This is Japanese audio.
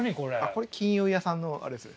これ金融屋さんのあれですね。